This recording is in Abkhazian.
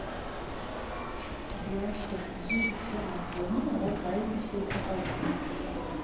Абри ашьҭахь бжььышықәса ааҵуаны араҟа аибашьра еиҭаҟалахит.